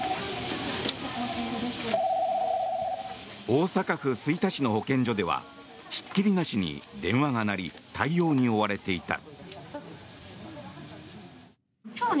大阪府吹田市の保健所ではひっきりなしに電話が鳴り対応に追われていた。